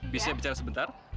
bisa bicara sebentar